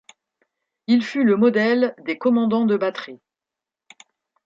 Il fut le modèle des commandants de batterie.